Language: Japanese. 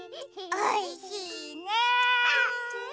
おいしいね！